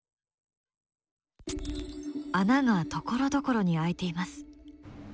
穴がところどころに開いています。